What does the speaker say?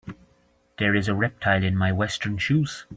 There is a reptile in my western shoes.